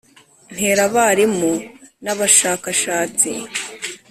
ntera abarimu n abashakashatsi